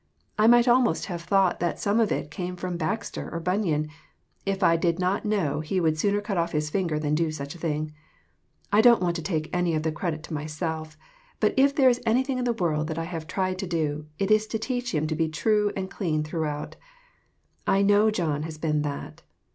I might almost have thought that some of it came from Baxter or Bunyan, if I didn't know that he would sooner cut off his fingers than to do such a thing. I don't want to take any of the credit to my self; but if there is anything in the world that I have tried to do, it is to teach him to be true and clean throughout. I know John has been that.